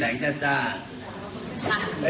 แสดงว่าสัมผัสก็ได้